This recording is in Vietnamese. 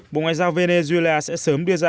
bộ ngoại giao venezuela sẽ sớm đưa ra